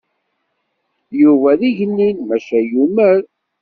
Yuba d igellil maca yumer.